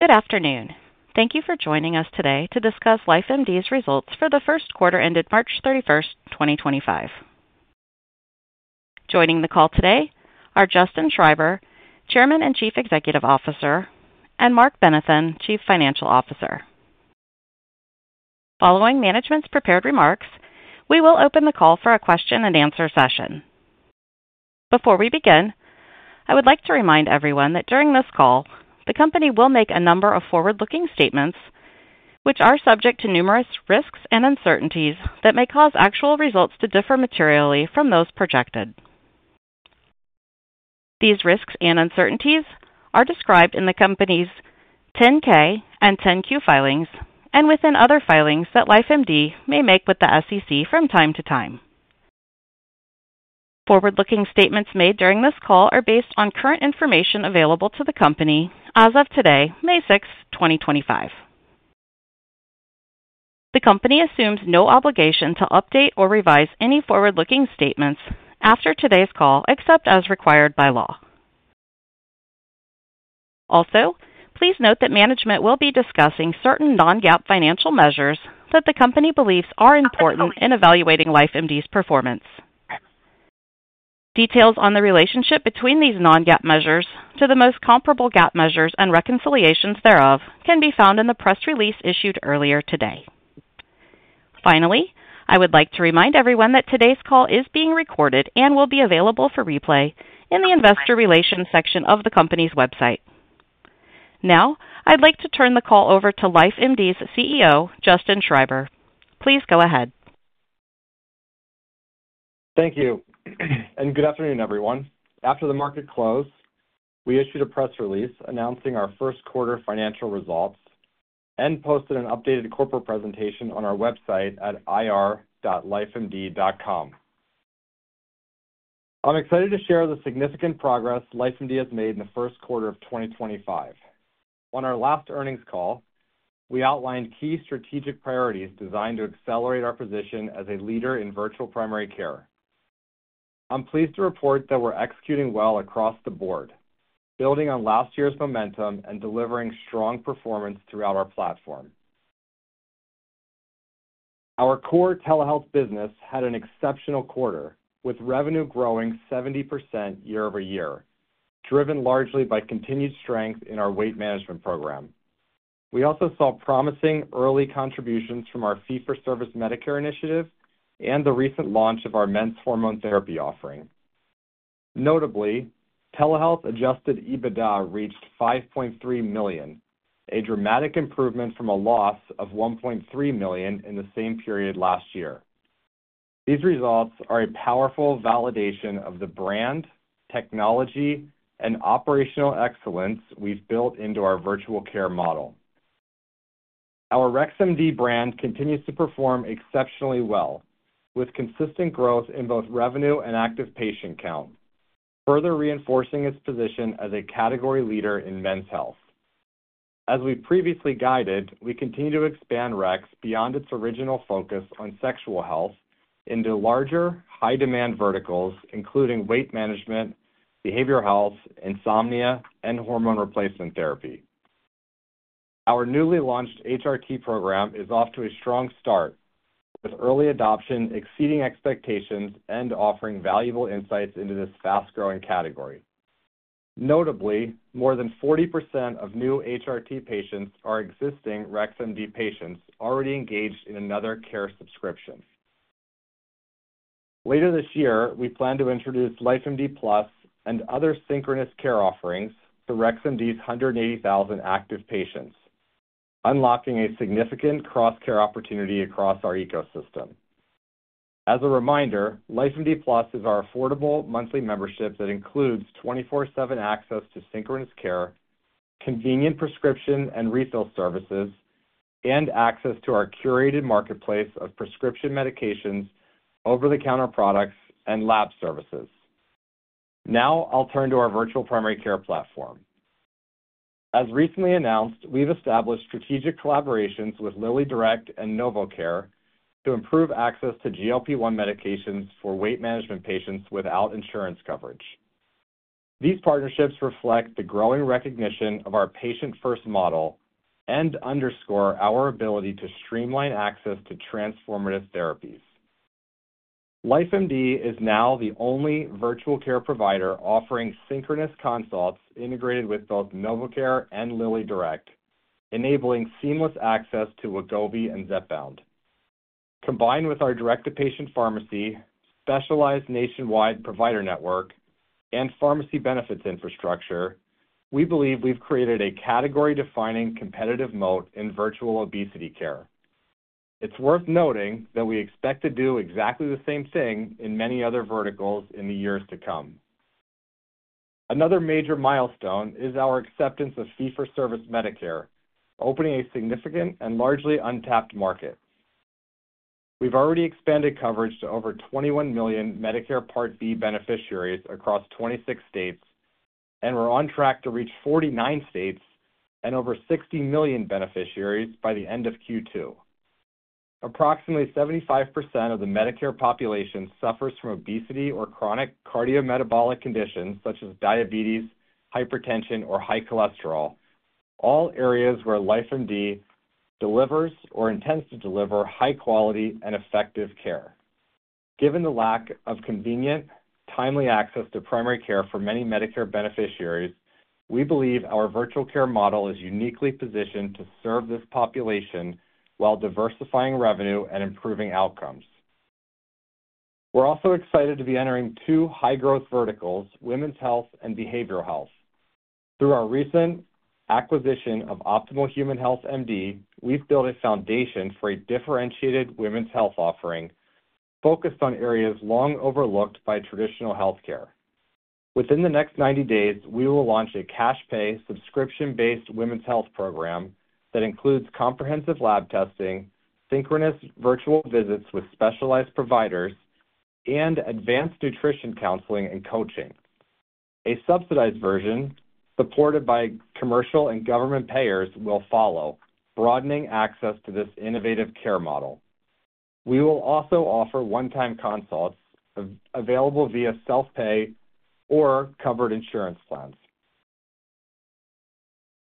Good afternoon. Thank you for joining us today to discuss LifeMD's results for the first quarter ended March 31st, 2025. Joining the call today are Justin Schreiber, Chairman and Chief Executive Officer, and Marc Benathen, Chief Financial Officer. Following management's prepared remarks, we will open the call for a question-and-answer session. Before we begin, I would like to remind everyone that during this call, the company will make a number of forward-looking statements, which are subject to numerous risks and uncertainties that may cause actual results to differ materially from those projected. These risks and uncertainties are described in the company's 10-K and 10-Q filings, and within other filings that LifeMD may make with the SEC from time to time. Forward-looking statements made during this call are based on current information available to the company as of today, May 6, 2025. The company assumes no obligation to update or revise any forward-looking statements after today's call, except as required by law. Also, please note that management will be discussing certain non-GAAP financial measures that the company believes are important in evaluating LifeMD's performance. Details on the relationship between these non-GAAP measures to the most comparable GAAP measures and reconciliations thereof can be found in the press release issued earlier today. Finally, I would like to remind everyone that today's call is being recorded and will be available for replay in the investor relations section of the company's website. Now, I'd like to turn the call over to LifeMD's CEO, Justin Schreiber. Please go ahead. Thank you. Good afternoon, everyone. After the market closed, we issued a press release announcing our first quarter financial results and posted an updated corporate presentation on our website at ir.lifemd.com. I'm excited to share the significant progress LifeMD has made in the first quarter of 2025. On our last earnings call, we outlined key strategic priorities designed to accelerate our position as a leader in virtual primary care. I'm pleased to report that we're executing well across the board, building on last year's momentum and delivering strong performance throughout our platform. Our core telehealth business had an exceptional quarter, with revenue growing 70% year-over-year, driven largely by continued strength in our weight management program. We also saw promising early contributions from our fee-for-service Medicare initiative and the recent launch of our men's hormone therapy offering. Notably, telehealth-adjusted EBITDA reached $5.3 million, a dramatic improvement from a loss of $1.3 million in the same period last year. These results are a powerful validation of the brand, technology, and operational excellence we've built into our virtual care model. Our RexMD brand continues to perform exceptionally well, with consistent growth in both revenue and active patient count, further reinforcing its position as a category leader in men's health. As we previously guided, we continue to expand Rex beyond its original focus on sexual health into larger, high-demand verticals, including weight management, behavioral health, insomnia, and hormone replacement therapy. Our newly launched HRT program is off to a strong start, with early adoption exceeding expectations and offering valuable insights into this fast-growing category. Notably, more than 40% of new HRT patients are existing RexMD patients already engaged in another care subscription. Later this year, we plan to introduce LifeMD Plus and other synchronous care offerings to RexMD's 180,000 active patients, unlocking a significant cross-care opportunity across our ecosystem. As a reminder, LifeMD Plus is our affordable monthly membership that includes 24/7 access to synchronous care, convenient prescription and refill services, and access to our curated marketplace of prescription medications, over-the-counter products, and lab services. Now, I'll turn to our virtual primary care platform. As recently announced, we've established strategic collaborations with LillyDirect and NovoCare to improve access to GLP-1 medications for weight management patients without insurance coverage. These partnerships reflect the growing recognition of our patient-first model and underscore our ability to streamline access to transformative therapies. LifeMD is now the only virtual care provider offering synchronous consults integrated with both NovoCare and LillyDirect, enabling seamless access to Wegovy and Zepbound. Combined with our direct-to-patient pharmacy, specialized nationwide provider network, and pharmacy benefits infrastructure, we believe we've created a category-defining competitive moat in virtual obesity care. It's worth noting that we expect to do exactly the same thing in many other verticals in the years to come. Another major milestone is our acceptance of fee-for-service Medicare, opening a significant and largely untapped market. We've already expanded coverage to over 21 million Medicare Part B beneficiaries across 26 states, and we're on track to reach 49 states and over 60 million beneficiaries by the end of Q2. Approximately 75% of the Medicare population suffers from obesity or chronic cardiometabolic conditions such as diabetes, hypertension, or high cholesterol, all areas where LifeMD delivers or intends to deliver high-quality and effective care. Given the lack of convenient, timely access to primary care for many Medicare beneficiaries, we believe our virtual care model is uniquely positioned to serve this population while diversifying revenue and improving outcomes. We're also excited to be entering two high-growth verticals, women's health and behavioral health. Through our recent acquisition of Optimal Human Health MD, we've built a foundation for a differentiated women's health offering focused on areas long overlooked by traditional healthcare. Within the next 90 days, we will launch a cash-pay subscription-based women's health program that includes comprehensive lab testing, synchronous virtual visits with specialized providers, and advanced nutrition counseling and coaching. A subsidized version, supported by commercial and government payers, will follow, broadening access to this innovative care model. We will also offer one-time consults available via self-pay or covered insurance plans.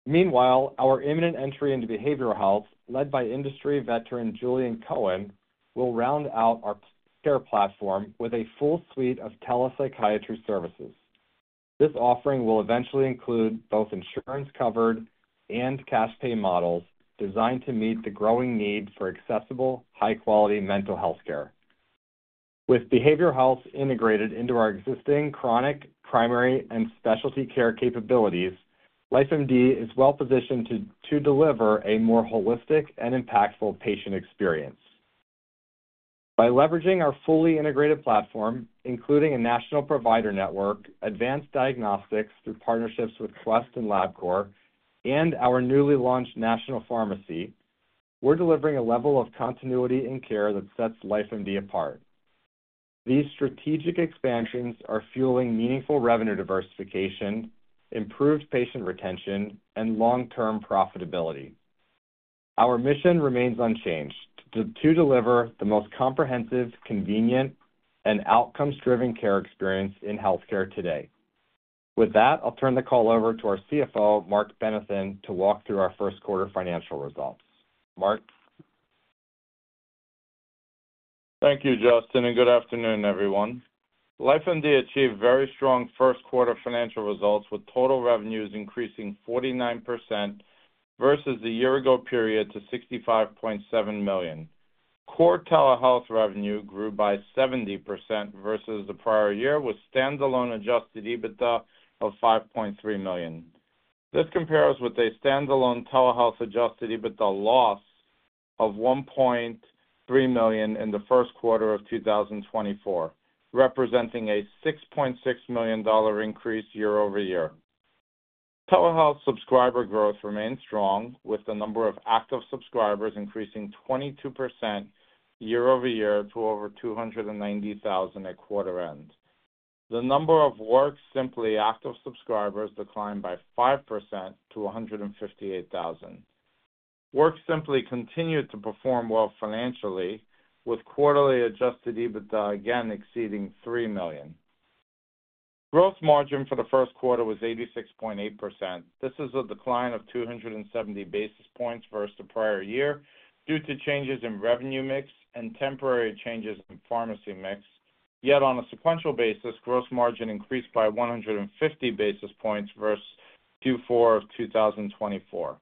Meanwhile, our imminent entry into behavioral health, led by industry veteran Julian Cohen, will round out our care platform with a full suite of telepsychiatry services. This offering will eventually include both insurance-covered and cash-pay models designed to meet the growing need for accessible, high-quality mental healthcare. With behavioral health integrated into our existing chronic primary and specialty care capabilities, LifeMD is well-positioned to deliver a more holistic and impactful patient experience. By leveraging our fully integrated platform, including a national provider network, advanced diagnostics through partnerships with Quest and LabCorp, and our newly launched national pharmacy, we're delivering a level of continuity in care that sets LifeMD apart. These strategic expansions are fueling meaningful revenue diversification, improved patient retention, and long-term profitability. Our mission remains unchanged: to deliver the most comprehensive, convenient, and outcome-driven care experience in healthcare today. With that, I'll turn the call over to our CFO, Marc Benathen, to walk through our first quarter financial results. Marc. Thank you, Justin, and good afternoon, everyone. LifeMD achieved very strong first quarter financial results, with total revenues increasing 49% versus the year-ago period to $65.7 million. Core telehealth revenue grew by 70% versus the prior year, with standalone adjusted EBITDA of $5.3 million. This compares with a standalone telehealth adjusted EBITDA loss of $1.3 million in the first quarter of 2024, representing a $6.6 million increase year over year. Telehealth subscriber growth remains strong, with the number of active subscribers increasing 22% year over year to over 290,000 at quarter end. The number of WorkSimpli active subscribers declined by 5% to 158,000. WorkSimpli continued to perform well financially, with quarterly adjusted EBITDA again exceeding $3 million. Gross margin for the first quarter was 86.8%. This is a decline of 270 basis points versus the prior year due to changes in revenue mix and temporary changes in pharmacy mix. Yet, on a sequential basis, gross margin increased by 150 basis points versus Q4 of 2024.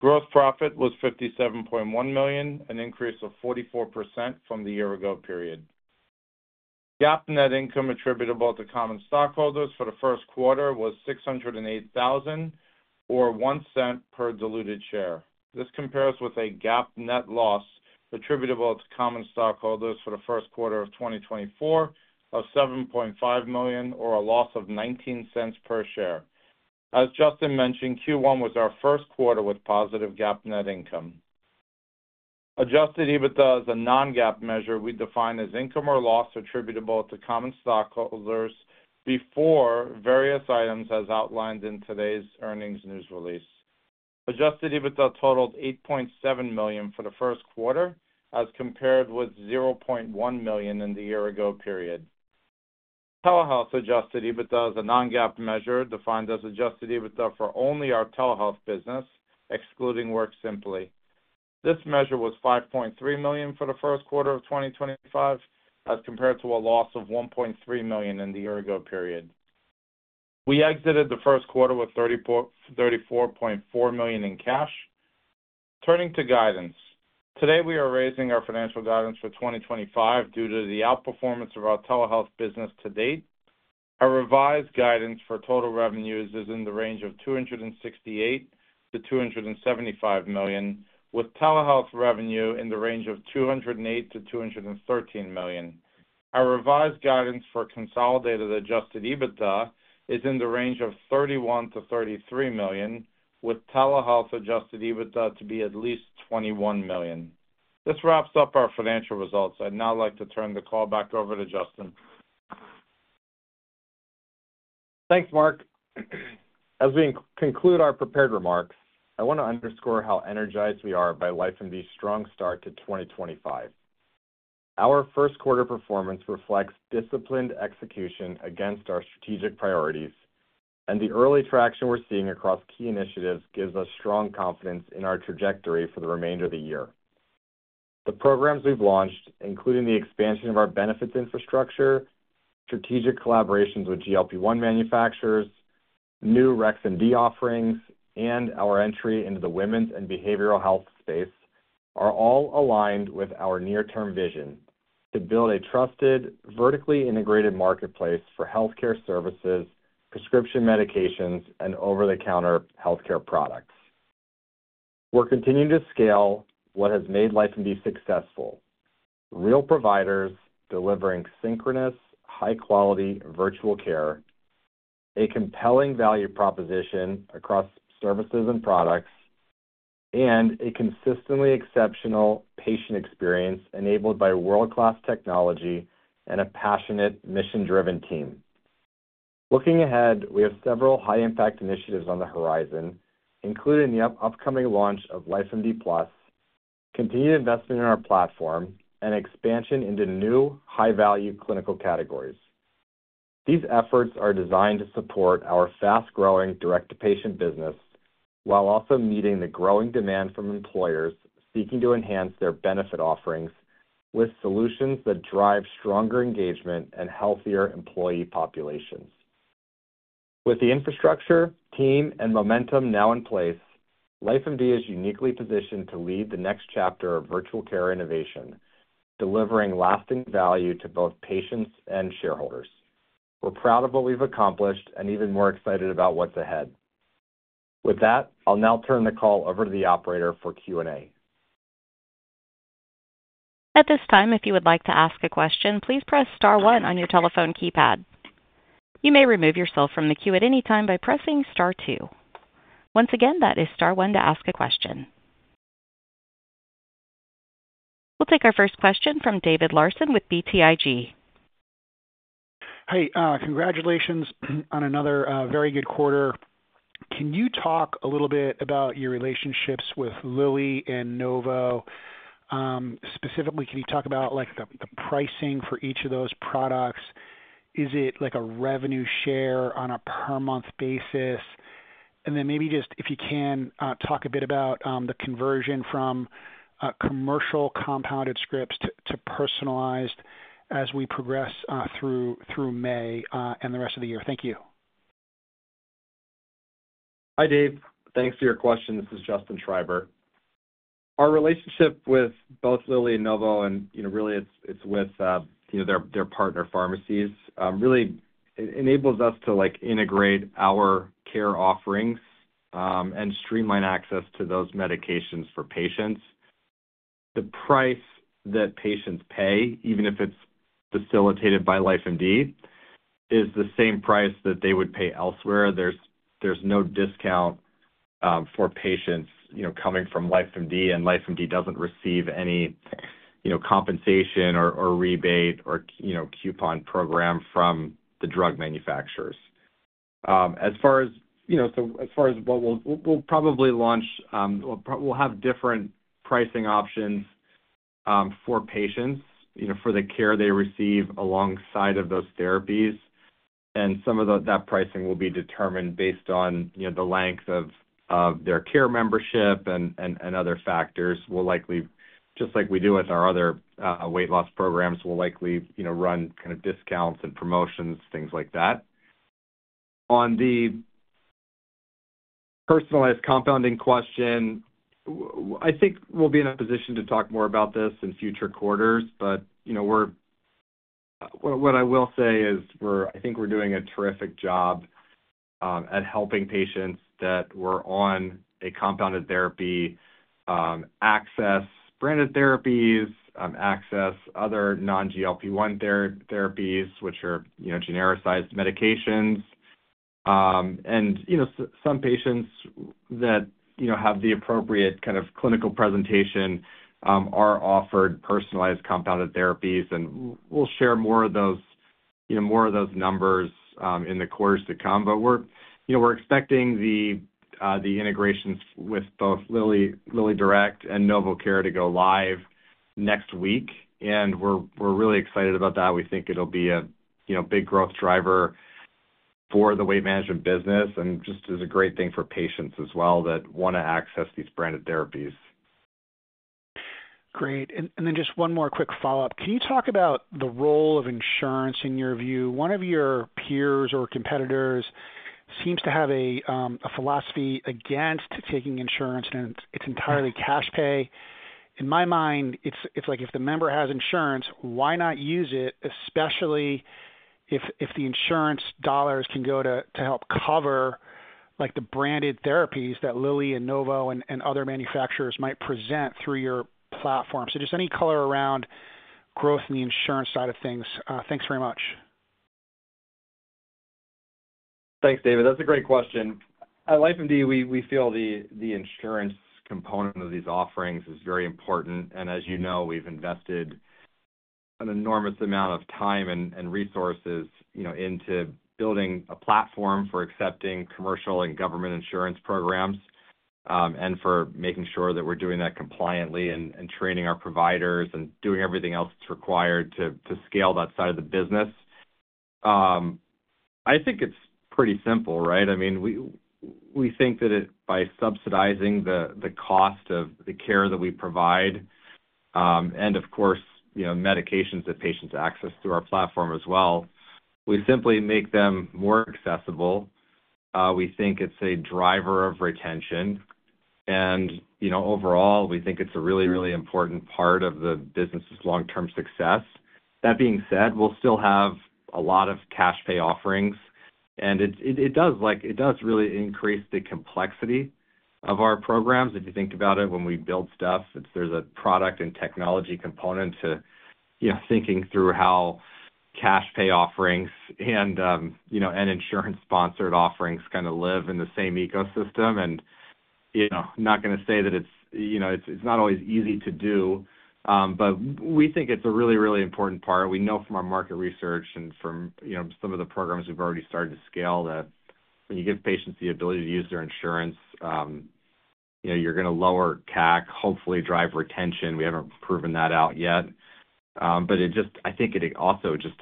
Gross profit was $57.1 million, an increase of 44% from the year-ago period. GAAP net income attributable to common stockholders for the first quarter was $608,000, or $0.01 per diluted share. This compares with a GAAP net loss attributable to common stockholders for the first quarter of 2024 of $7.5 million, or a loss of $0.19 per share. As Justin mentioned, Q1 was our first quarter with positive GAAP net income. Adjusted EBITDA is a non-GAAP measure we define as income or loss attributable to common stockholders before various items as outlined in today's earnings news release. Adjusted EBITDA totaled $8.7 million for the first quarter, as compared with $0.1 million in the year-ago period. Telehealth adjusted EBITDA is a non-GAAP measure defined as adjusted EBITDA for only our telehealth business, excluding WorkSimpli. This measure was $5.3 million for the first quarter of 2025, as compared to a loss of $1.3 million in the year-ago period. We exited the first quarter with $34.4 million in cash. Turning to guidance, today we are raising our financial guidance for 2025 due to the outperformance of our telehealth business to date. Our revised guidance for total revenues is in the range of $268 million-$275 million, with telehealth revenue in the range of $208 million-$213 million. Our revised guidance for consolidated adjusted EBITDA is in the range of $31 million-$33 million, with telehealth adjusted EBITDA to be at least $21 million. This wraps up our financial results. I'd now like to turn the call back over to Justin. Thanks, Marc. As we conclude our prepared remarks, I want to underscore how energized we are by LifeMD's strong start to 2025. Our first quarter performance reflects disciplined execution against our strategic priorities, and the early traction we're seeing across key initiatives gives us strong confidence in our trajectory for the remainder of the year. The programs we've launched, including the expansion of our benefits infrastructure, strategic collaborations with GLP-1 manufacturers, new RexMD offerings, and our entry into the women's and behavioral health space, are all aligned with our near-term vision to build a trusted, vertically integrated marketplace for healthcare services, prescription medications, and over-the-counter healthcare products. We're continuing to scale what has made LifeMD successful: real providers delivering synchronous, high-quality virtual care, a compelling value proposition across services and products, and a consistently exceptional patient experience enabled by world-class technology and a passionate, mission-driven team. Looking ahead, we have several high-impact initiatives on the horizon, including the upcoming launch of LifeMD Plus, continued investment in our platform, and expansion into new, high-value clinical categories. These efforts are designed to support our fast-growing direct-to-patient business while also meeting the growing demand from employers seeking to enhance their benefit offerings with solutions that drive stronger engagement and healthier employee populations. With the infrastructure, team, and momentum now in place, LifeMD is uniquely positioned to lead the next chapter of virtual care innovation, delivering lasting value to both patients and shareholders. We're proud of what we've accomplished and even more excited about what's ahead. With that, I'll now turn the call over to the operator for Q&A. At this time, if you would like to ask a question, please press Star 1 on your telephone keypad. You may remove yourself from the queue at any time by pressing Star 2. Once again, that is Star 1 to ask a question. We'll take our first question from David Larsen with BTIG. Hey, congratulations on another very good quarter. Can you talk a little bit about your relationships with Lilly and Novo? Specifically, can you talk about the pricing for each of those products? Is it a revenue share on a per-month basis? If you can, talk a bit about the conversion from commercial compounded scripts to personalized as we progress through May and the rest of the year. Thank you. Hi, Dave. Thanks for your question. This is Justin Schreiber. Our relationship with both Lilly and Novo, and really, it's with their partner pharmacies, really enables us to integrate our care offerings and streamline access to those medications for patients. The price that patients pay, even if it's facilitated by LifeMD, is the same price that they would pay elsewhere. There's no discount for patients coming from LifeMD, and LifeMD doesn't receive any compensation or rebate or coupon program from the drug manufacturers. As far as what we'll probably launch, we'll have different pricing options for patients for the care they receive alongside of those therapies, and some of that pricing will be determined based on the length of their care membership and other factors. We'll likely, just like we do with our other weight loss programs, we'll likely run kind of discounts and promotions, things like that. On the personalized compounding question, I think we'll be in a position to talk more about this in future quarters. What I will say is I think we're doing a terrific job at helping patients that were on a compounded therapy access branded therapies, access other non-GLP-1 therapies, which are genericized medications. Some patients that have the appropriate kind of clinical presentation are offered personalized compounded therapies, and we'll share more of those numbers in the quarters to come. We're expecting the integrations with both LillyDirect and NovoCare to go live next week, and we're really excited about that. We think it'll be a big growth driver for the weight management business and just is a great thing for patients as well that want to access these branded therapies. Great. And then just one more quick follow-up. Can you talk about the role of insurance in your view? One of your peers or competitors seems to have a philosophy against taking insurance, and it's entirely cash-pay. In my mind, it's like if the member has insurance, why not use it, especially if the insurance dollars can go to help cover the branded therapies that Lilly and Novo and other manufacturers might present through your platform? So just any color around growth in the insurance side of things. Thanks very much. Thanks, David. That's a great question. At LifeMD, we feel the insurance component of these offerings is very important. As you know, we've invested an enormous amount of time and resources into building a platform for accepting commercial and government insurance programs and for making sure that we're doing that compliantly and training our providers and doing everything else that's required to scale that side of the business. I think it's pretty simple, right? I mean, we think that by subsidizing the cost of the care that we provide and, of course, medications that patients access through our platform as well, we simply make them more accessible. We think it's a driver of retention. Overall, we think it's a really, really important part of the business's long-term success. That being said, we'll still have a lot of cash-pay offerings, and it does really increase the complexity of our programs. If you think about it, when we build stuff, there's a product and technology component to thinking through how cash-pay offerings and insurance-sponsored offerings kind of live in the same ecosystem. I'm not going to say that it's not always easy to do, but we think it's a really, really important part. We know from our market research and from some of the programs we've already started to scale that when you give patients the ability to use their insurance, you're going to lower CAC, hopefully drive retention. We haven't proven that out yet. I think it also just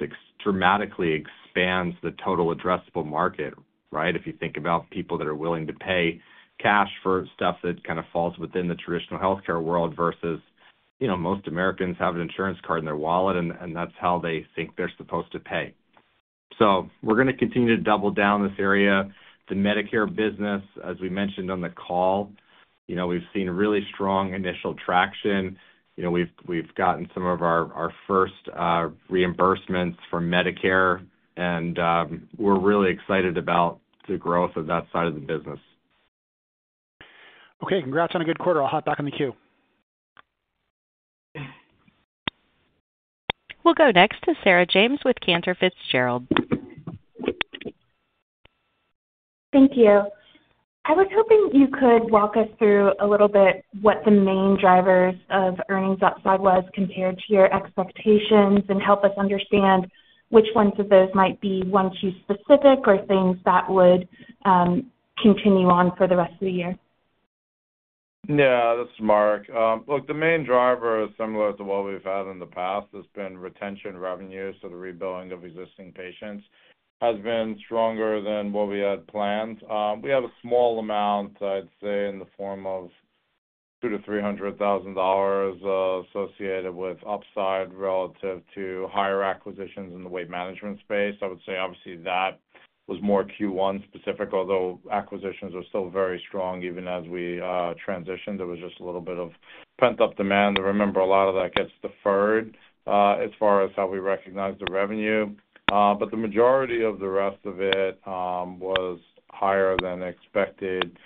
dramatically expands the total addressable market, right? If you think about people that are willing to pay cash for stuff that kind of falls within the traditional healthcare world versus most Americans have an insurance card in their wallet, and that's how they think they're supposed to pay. We're going to continue to double down in this area. The Medicare business, as we mentioned on the call, we've seen really strong initial traction. We've gotten some of our first reimbursements for Medicare, and we're really excited about the growth of that side of the business. Okay. Congrats on a good quarter. I'll hop back on the queue. We'll go next to Sarah James with Cantor Fitzgerald. Thank you. I was hoping you could walk us through a little bit what the main drivers of earnings outside was compared to your expectations and help us understand which ones of those might be one-to-specific or things that would continue on for the rest of the year. Yeah, this is Marc. Look, the main driver is similar to what we've had in the past. It's been retention revenue, so the rebuilding of existing patients has been stronger than what we had planned. We have a small amount, I'd say, in the form of $200,000-$300,000 associated with upside relative to higher acquisitions in the weight management space. I would say, obviously, that was more Q1-specific, although acquisitions are still very strong. Even as we transitioned, there was just a little bit of pent-up demand. I remember a lot of that gets deferred as far as how we recognize the revenue. The majority of the rest of it was higher than expected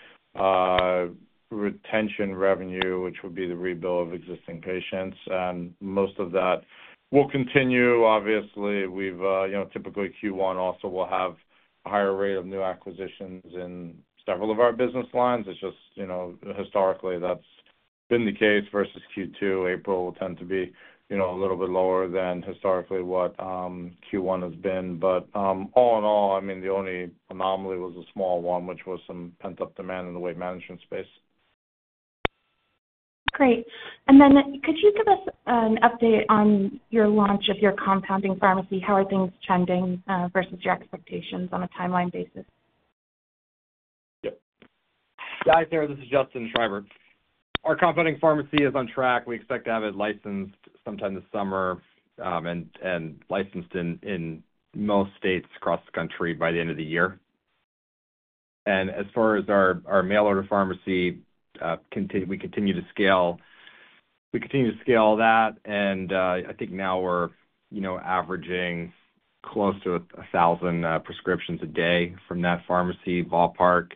retention revenue, which would be the rebuild of existing patients. Most of that will continue, obviously. Typically, Q1 also will have a higher rate of new acquisitions in several of our business lines. It's just historically that's been the case versus Q2. April will tend to be a little bit lower than historically what Q1 has been. All in all, I mean, the only anomaly was a small one, which was some pent-up demand in the weight management space. Great. Could you give us an update on your launch of your compounding pharmacy? How are things trending versus your expectations on a timeline basis? Yep. Hi there. This is Justin Schreiber. Our compounding pharmacy is on track. We expect to have it licensed sometime this summer and licensed in most states across the country by the end of the year. As far as our mail-order pharmacy, we continue to scale. We continue to scale that, and I think now we're averaging close to 1,000 prescriptions a day from that pharmacy, ballpark.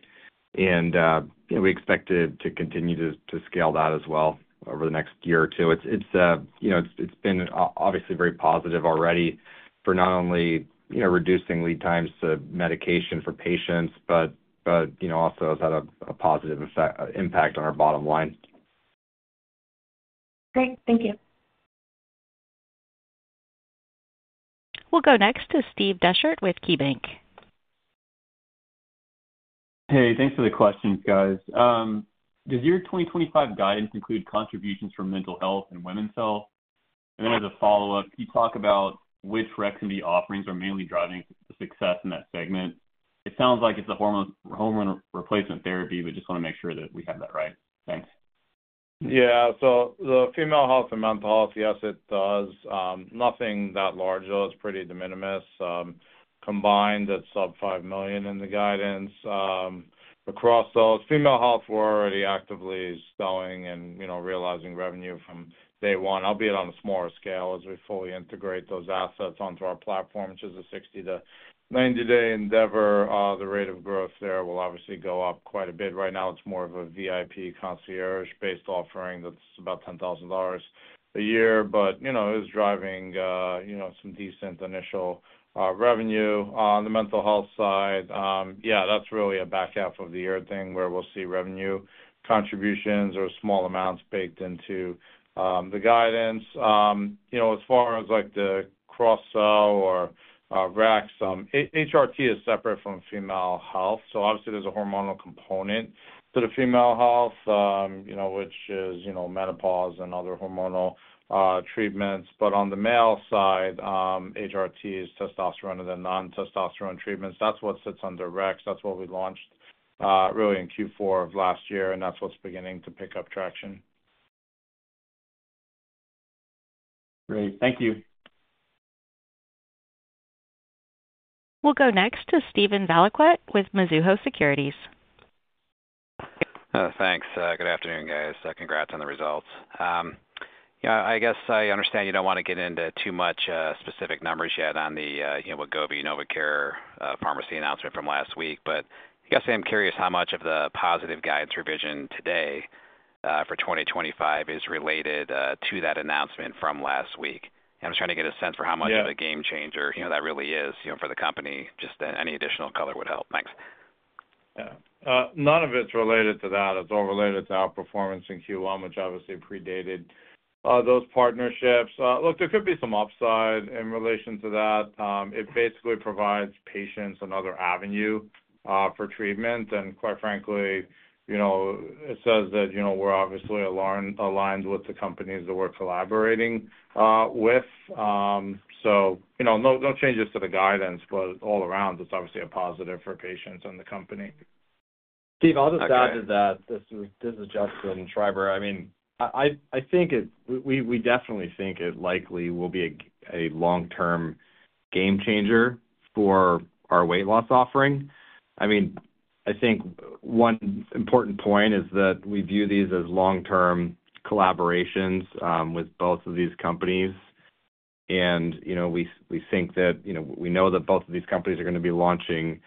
We expect to continue to scale that as well over the next year or two. It's been obviously very positive already for not only reducing lead times to medication for patients, but also has had a positive impact on our bottom line. Great. Thank you. We'll go next to Steve Dechert with KeyBanc. Hey, thanks for the questions, guys. Does your 2025 guidance include contributions for mental health and women's health? As a follow-up, can you talk about which RexMD offerings are mainly driving the success in that segment? It sounds like it's the hormone replacement therapy, but just want to make sure that we have that right. Thanks. Yeah. So the female health and mental health, yes, it does. Nothing that large, though. It's pretty de minimis. Combined, it's sub $5 million in the guidance. Across those, female health, we're already actively selling and realizing revenue from day one, albeit on a smaller scale as we fully integrate those assets onto our platform, which is a 60-90 day endeavor. The rate of growth there will obviously go up quite a bit. Right now, it's more of a VIP concierge-based offering that's about $10,000 a year, but it is driving some decent initial revenue. On the mental health side, yeah, that's really a back half of the year thing where we'll see revenue contributions or small amounts baked into the guidance. As far as the cross-sell or RACs, HRT is separate from female health. Obviously, there's a hormonal component to the female health, which is menopause and other hormonal treatments. On the male side, HRT is testosterone and then non-testosterone treatments. That's what sits under RexMD. That's what we launched really in Q4 of last year, and that's what's beginning to pick up traction. Great. Thank you. We'll go next to Steven Valiquette with Mizuho Securities. Thanks. Good afternoon, guys. Congrats on the results. I guess I understand you do not want to get into too much specific numbers yet on the Wegovy/NovoCare pharmacy announcement from last week, but I guess I am curious how much of the positive guidance revision today for 2025 is related to that announcement from last week. I am just trying to get a sense for how much of a game changer that really is for the company. Just any additional color would help. Thanks. Yeah. None of it is related to that. It is all related to outperformance in Q1, which obviously predated those partnerships. Look, there could be some upside in relation to that. It basically provides patients another avenue for treatment. And quite frankly, it says that we are obviously aligned with the companies that we are collaborating with. No changes to the guidance, but all around, it is obviously a positive for patients and the company. Steve, I'll just add to that. This is Justin Schreiber. I mean, I think we definitely think it likely will be a long-term game changer for our weight loss offering. I mean, I think one important point is that we view these as long-term collaborations with both of these companies. We think that we know that both of these companies are going to be launching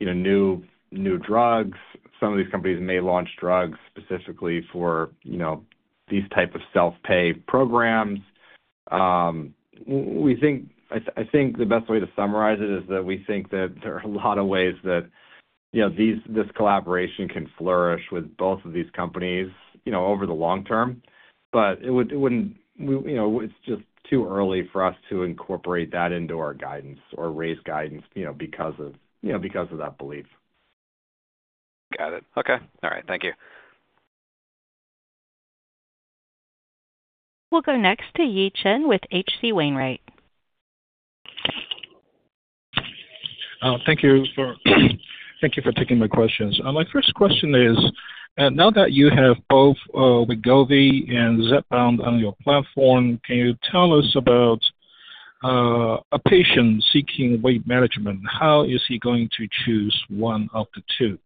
new drugs. Some of these companies may launch drugs specifically for these types of self-pay programs. I think the best way to summarize it is that we think that there are a lot of ways that this collaboration can flourish with both of these companies over the long term. It is just too early for us to incorporate that into our guidance or raise guidance because of that belief. Got it. Okay. All right. Thank you. We'll go next to Yi Chen with HC Wainwright. Thank you for taking my questions. My first question is, now that you have both Wegovy and Zepbound on your platform, can you tell us about a patient seeking weight management? How is he going to choose one of the two?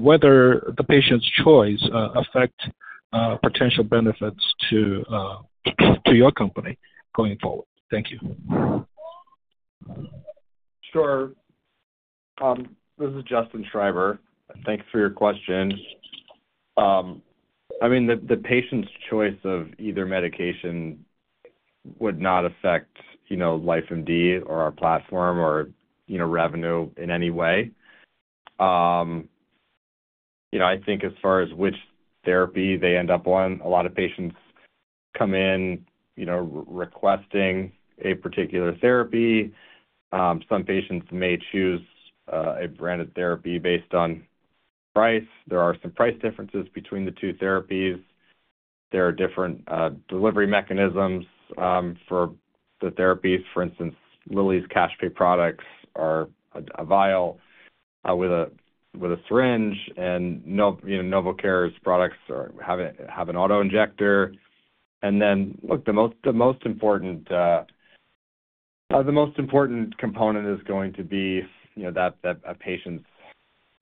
Whether the patient's choice affects potential benefits to your company going forward? Thank you. Sure. This is Justin Schreiber. Thanks for your question. I mean, the patient's choice of either medication would not affect LifeMD or our platform or revenue in any way. I think as far as which therapy they end up on, a lot of patients come in requesting a particular therapy. Some patients may choose a branded therapy based on price. There are some price differences between the two therapies. There are different delivery mechanisms for the therapies. For instance, Lilly's cash-pay products are a vial with a syringe, and NovoCare's products have an auto injector. The most important component is going to be a patient's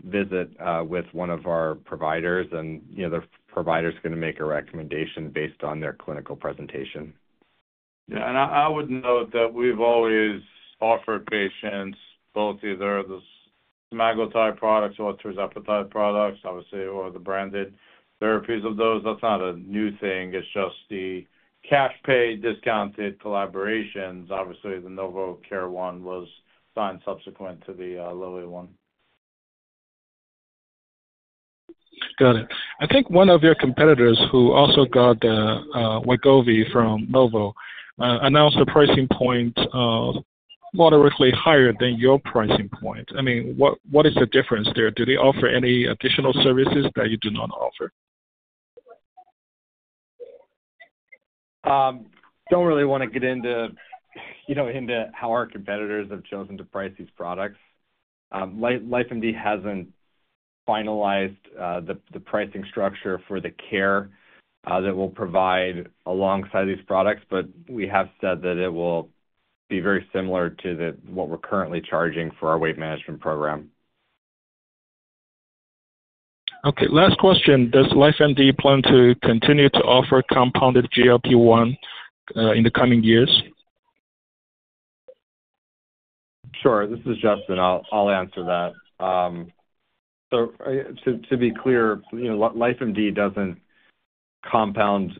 visit with one of our providers, and the provider's going to make a recommendation based on their clinical presentation. Yeah. I would note that we've always offered patients both either the semaglutide products or the tirzepatide products, obviously, or the branded therapies of those. That's not a new thing. It's just the cash-pay discounted collaborations. Obviously, the NovoCare one was signed subsequent to the Lilly one. Got it. I think one of your competitors who also got Wegovy from Novo announced a pricing point moderately higher than your pricing point. I mean, what is the difference there? Do they offer any additional services that you do not offer? Don't really want to get into how our competitors have chosen to price these products. LifeMD hasn't finalized the pricing structure for the care that we'll provide alongside these products, but we have said that it will be very similar to what we're currently charging for our weight management program. Okay. Last question. Does LifeMD plan to continue to offer compounded GLP-1 in the coming years? Sure. This is Justin. I'll answer that. To be clear, LifeMD doesn't compound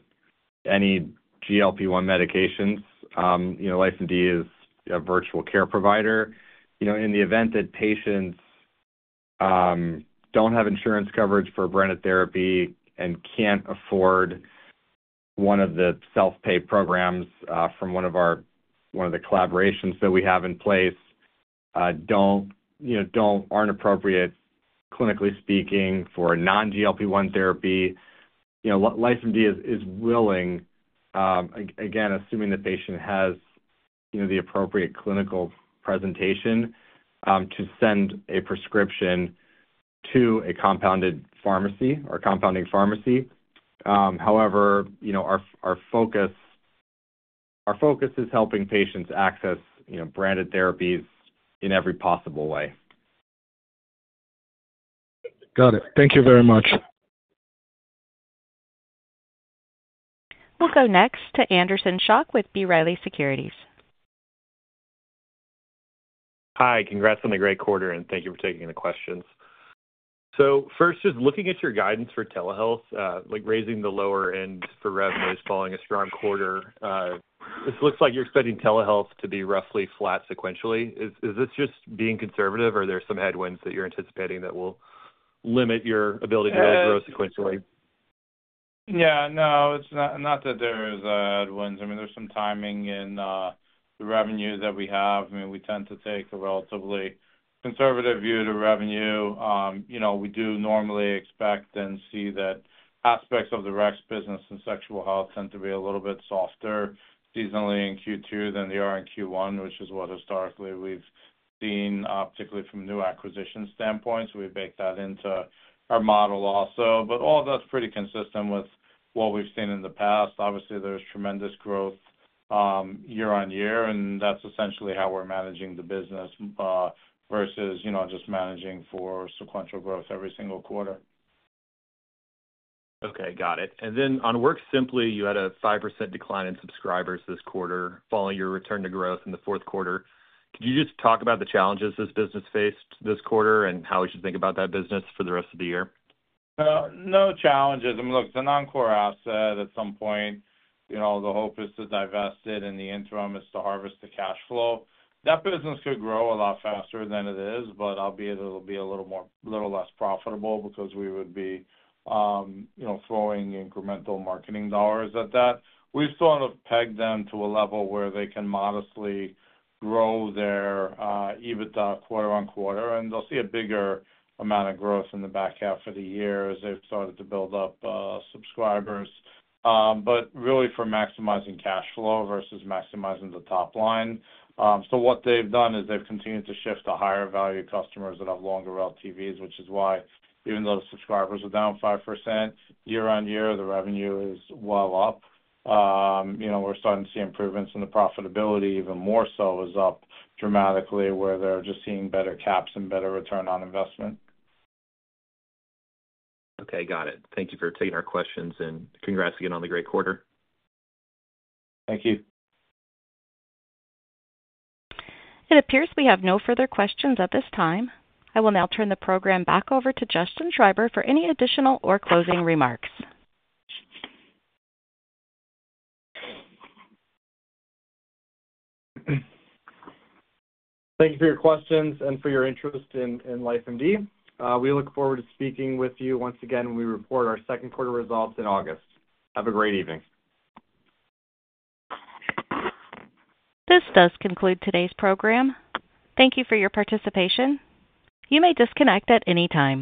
any GLP-1 medications. LifeMD is a virtual care provider. In the event that patients don't have insurance coverage for a branded therapy and can't afford one of the self-pay programs from one of the collaborations that we have in place, aren't appropriate, clinically speaking, for a non-GLP-1 therapy, LifeMD is willing, again, assuming the patient has the appropriate clinical presentation, to send a prescription to a compounding pharmacy. However, our focus is helping patients access branded therapies in every possible way. Got it. Thank you very much. We'll go next to Anderson Schock with B. Riley Securities. Hi. Congrats on a great quarter, and thank you for taking the questions. First, just looking at your guidance for telehealth, raising the lower end for revenues following a strong quarter, this looks like you're expecting telehealth to be roughly flat sequentially. Is this just being conservative, or are there some headwinds that you're anticipating that will limit your ability to grow sequentially? Yeah. No, not that there's headwinds. I mean, there's some timing in the revenue that we have. I mean, we tend to take a relatively conservative view to revenue. We do normally expect and see that aspects of the RexMD business and sexual health tend to be a little bit softer seasonally in Q2 than they are in Q1, which is what historically we've seen, particularly from new acquisition standpoints. We baked that into our model also. All of that's pretty consistent with what we've seen in the past. Obviously, there's tremendous growth year on year, and that's essentially how we're managing the business versus just managing for sequential growth every single quarter. Okay. Got it. On WorkSimpli, you had a 5% decline in subscribers this quarter following your return to growth in the fourth quarter. Could you just talk about the challenges this business faced this quarter and how we should think about that business for the rest of the year? No challenges. I mean, look, it's a non-core asset at some point. The hope is to divest it, and the interim is to harvest the cash flow. That business could grow a lot faster than it is, but albeit it'll be a little less profitable because we would be throwing incremental marketing dollars at that. We've sort of pegged them to a level where they can modestly grow their EBITDA quarter on quarter, and they'll see a bigger amount of growth in the back half of the year as they've started to build up subscribers. Really, for maximizing cash flow versus maximizing the top line. What they've done is they've continued to shift to higher-value customers that have longer LTVs, which is why even though the subscribers are down 5% year on year, the revenue is well up. We're starting to see improvements in the profitability. Even more so is up dramatically, where they're just seeing better caps and better return on investment. Okay. Got it. Thank you for taking our questions, and congrats again on the great quarter. Thank you. It appears we have no further questions at this time. I will now turn the program back over to Justin Schreiber for any additional or closing remarks. Thank you for your questions and for your interest in LifeMD. We look forward to speaking with you once again when we report our second quarter results in August. Have a great evening. This does conclude today's program. Thank you for your participation. You may disconnect at any time.